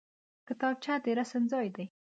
کتابچه د رسم ځای دی